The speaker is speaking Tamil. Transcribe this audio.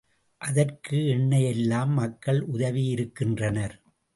அதற்கு எண்ணெய் எல்லாம் மக்கள் உதவியிருக்கின்றனர்.